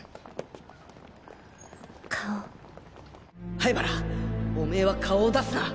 灰原オメーは顔を出すな！